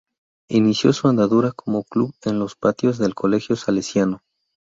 Inició su andadura como club en los patios del colegio salesiano.